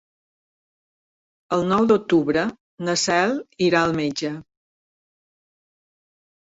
El nou d'octubre na Cel irà al metge.